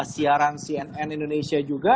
siaran cnn indonesia juga